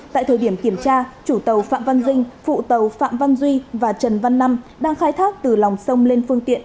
tại thời điểm kiểm tra chủ tàu phạm văn dinh phụ tàu phạm văn duy và trần văn năm đang khai thác từ lòng sông lên phương tiện